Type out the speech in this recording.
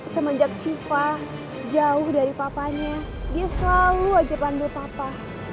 semenjak syifa jauh dari papanya dia selalu aja pandu papa